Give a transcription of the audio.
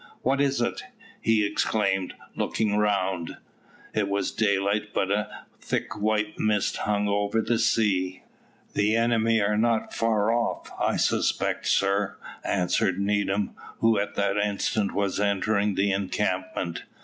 "What is it?" he exclaimed, looking around. It was daylight, but a thick white mist hung over the sea. "The enemy are not far off, I suspect, sir," answered Needham, who at that instant was entering the encampment.